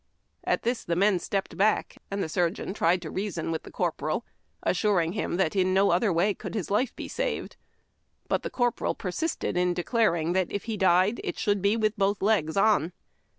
''' At this the men stepped back, and the surgeon tried to rea son with the corjDoral, assuring him that in no other way could his life be saved. But the corporal persisted in declaring that if he died it should be with both legs on.